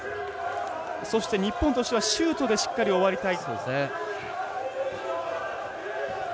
そして日本はシュートでしっかり終わりたい。